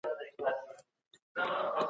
کابینه نظامي مداخله نه غواړي.